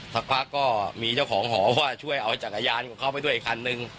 สักพักก็มีเจ้าของหอว่าช่วยเอาจักรยานของเขาไปด้วยอีกคันนึง